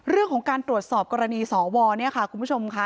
เรื่องของการตรวจสอบกรณีสวเนี่ยค่ะคุณผู้ชมค่ะ